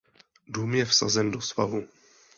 Dům je vsazen do svahu.